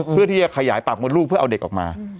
เพื่อที่จะขยายปากมดลูกเพื่อเอาเด็กออกมา